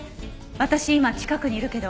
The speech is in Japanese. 私今近くにいるけど。